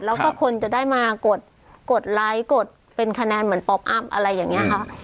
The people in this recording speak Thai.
แล้วก็คนจะได้มากดไลค์กดเป็นคะแนนเหมือนป๊อปอัพอะไรอย่างนี้ค่ะ